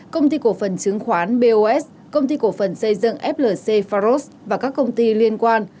công ty cổ phần chứng khoán bos công ty cổ phần xây dựng flc faros và các công ty liên quan